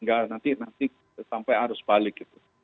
nggak nanti sampai arus balik gitu